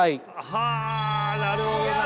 はあなるほどなあ。